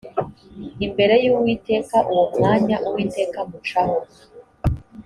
imbere y uwiteka uwo mwanya uwiteka amucaho